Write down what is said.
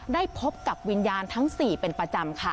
ได้พบกับวิญญาณทั้ง๔เป็นประจำค่ะ